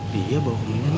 dia bau kemenyan bro